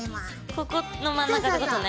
ここの真ん中ってことね。